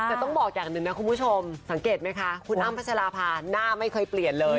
แต่ต้องบอกอย่างหนึ่งนะคุณผู้ชมสังเกตไหมคะคุณอ้ำพัชราภาหน้าไม่เคยเปลี่ยนเลย